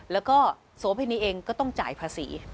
แล้วก็โสเพณีเองก็ต้องจ่ายภาษี